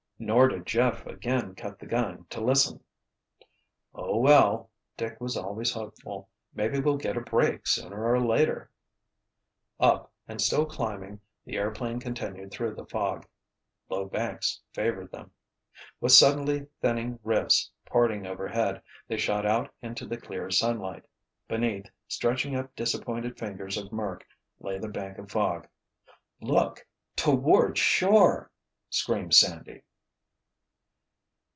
Nor did Jeff again cut the gun to listen. "Oh, well," Dick was always hopeful, "maybe we'll get a 'break' sooner or later." Up, and still climbing, the airplane continued through the fog. Low banks favored them. With suddenly thinning rifts parting overhead they shot out into the clear sunlight. Beneath, stretching up disappointed fingers of murk lay the bank of fog. "Look—toward shore!" screamed Sandy.